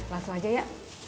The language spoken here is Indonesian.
langsung aja ya